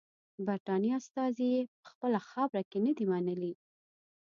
د برټانیې استازي یې په خپله خاوره کې نه دي منلي.